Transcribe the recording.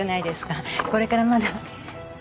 これからまだ。